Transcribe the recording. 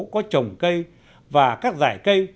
có trồng cây và các giải cây